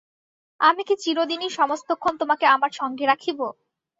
আমি কি চিরদিনই সমস্তক্ষণ তোমাকে আমার সঙ্গে রাখিব?